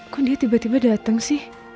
kok dia tiba tiba dateng sih